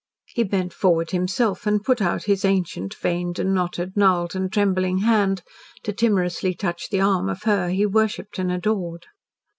He bent forward himself and put out his ancient, veined and knotted, gnarled and trembling hand, to timorously touch the arm of her he worshipped and adored.